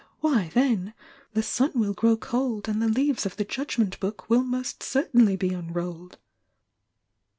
Why then— 'the sun will grow cold, and the leaves of the Judg ment Book will most certainly be unrolled!'